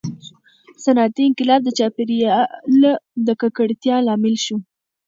• صنعتي انقلاب د چاپېریال د ککړتیا لامل شو.